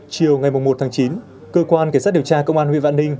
chiều ngày một chín cơ quan kiểm soát điều tra công an huyện vạn ninh